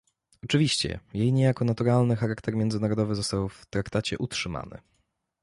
Oczywiście, jej niejako naturalny charakter międzyrządowy został w Traktacie utrzymany